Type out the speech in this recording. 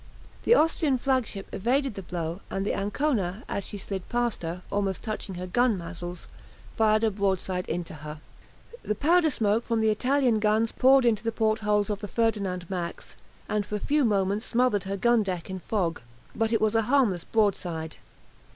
The Austrian flagship evaded the blow, and the "Ancona," as she slid past her, almost touching her gun muzzles, fired a broadside into her. The powder smoke from the Italian guns poured into the port holes of the "Ferdinand Max," and for a few moments smothered her gun deck in fog, but it was a harmless broadside.